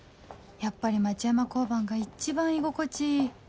やっぱり町山交番が一番居心地いい